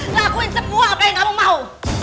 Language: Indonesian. lakuin semua apa yang kamu mau